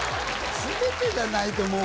全てじゃないと思うけど。